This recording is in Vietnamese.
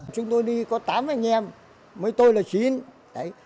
chúng tôi đi có tám anh em với tôi là chín